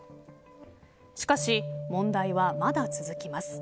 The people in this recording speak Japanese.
しかし、問題はまだ続きます。